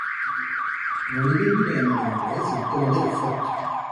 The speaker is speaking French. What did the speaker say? Dans les débuts de la marine anglaise, il commandait la flotte.